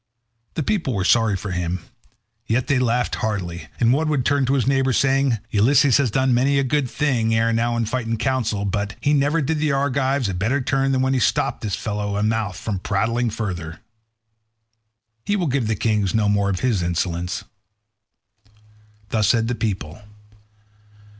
The people were sorry for him, yet they laughed heartily, and one would turn to his neighbour saying, "Ulysses has done many a good thing ere now in fight and council, but he never did the Argives a better turn than when he stopped this fellow's mouth from prating further. He will give the kings no more of his insolence." Thus said the people.